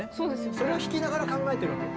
それを弾きながら考えてるわけ。